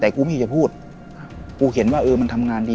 แต่กูไม่ได้จะพูดน่ะครับกูเห็นว่าเออมันทำงานดี